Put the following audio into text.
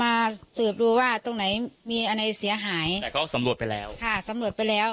มาสืบดูว่าตรงไหนมีอะไรเสียหายแต่เขาสำรวจไปแล้วค่ะสำรวจไปแล้ว